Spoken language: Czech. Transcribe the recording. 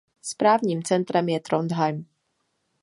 Správním centrem je Trondheim.